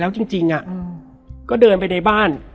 แล้วสักครั้งหนึ่งเขารู้สึกอึดอัดที่หน้าอก